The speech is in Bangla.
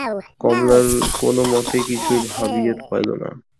কমলা কোনোমতেই কিছুই ভাবিয়া পাইল না।